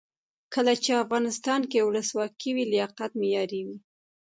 کله چې افغانستان کې ولسواکي وي لیاقت معیار وي.